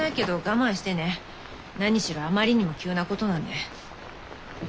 何しろあまりにも急なことなんで。